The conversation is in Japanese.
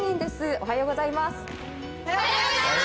おはようございます。